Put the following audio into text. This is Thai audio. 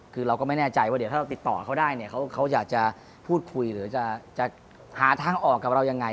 คือเราก็ไม่แน่ใจว่าเดี๋ยวถ้าเราติดต่อเขาได้เนี่ยเขาอยากจะพูดคุยหรือจะหาทางออกกับเรายังไง